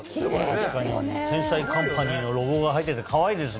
確かに『天才‼カンパニー』のロゴが入っててかわいいですね。